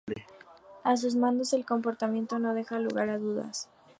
A sus mandos, el comportamiento no deja lugar a dudas.